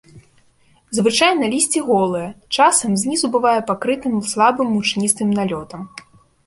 Звычайна лісце голае, часам знізу бывае пакрытым слабым мучністым налётам.